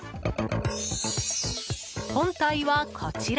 本体はこちら。